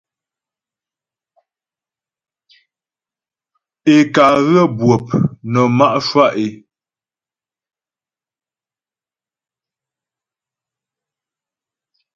Ě ká ghə́ bwɔp nə má' shwá' é.